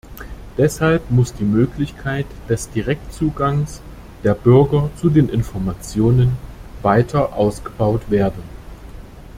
Deshalb muss die Möglichkeit des Direktzugangs der Bürger zu den Informationen weiter ausgebaut werden.